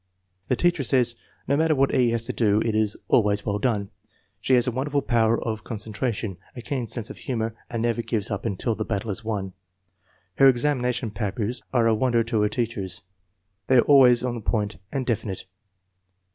The teacher says :" No matter what E. has to do it is always well done. She has a wonderful power of con centration, a keen sense of humor, and never gives up until the battle is won. Her examination papers are a wonder to her teachers. They are always to the point and definite.